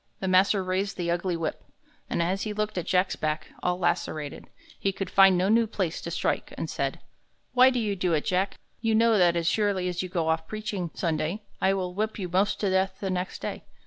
The master raised the ugly whip, and as he looked at Jack's back, all lacerated, he could find no new place to strike, and said: "Why do you do it, Jack? You know that as surely as you go off preaching Sunday, I will whip you most to death the next day.